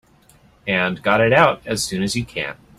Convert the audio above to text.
And got it out as soon as you can.